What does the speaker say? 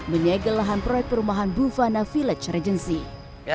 menyegel lahan proyek perumahan bufana village regency